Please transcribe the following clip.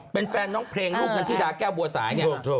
เป็นแฟนน้องเพลงหลูกคุณฮิราตร์ที่รักแก้วบัวสาย